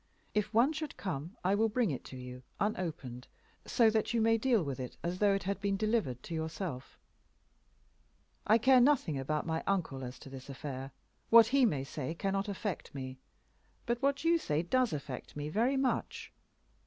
If one should come I will bring it to you, unopened, so that you may deal with it as though it had been delivered to yourself. I care nothing about my uncle as to this affair. What he may say cannot affect me, but what you say does affect me very much.